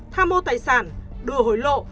tham mô tài sản đùa hối lộ